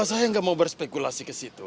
saya nggak mau berspekulasi ke situ